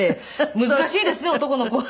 難しいですね男の子は。